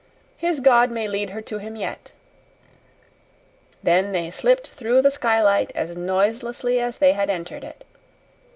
"His God may lead her to him yet." Then they slipped through the skylight as noiselessly as they had entered it.